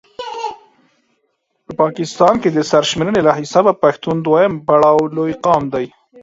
په پاکستان کې د سر شميرني له حسابه پښتون دویم پړاو لوي قام دی